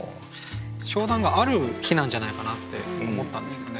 商談がある日なんじゃないかなって思ったんですよね。